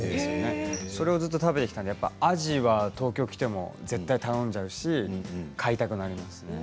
それをずっと食べてきたのでアジは東京に来ても絶対に頼んじゃうし買いたくなりますね。